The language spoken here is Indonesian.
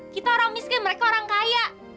kita orang miskin mereka orang kaya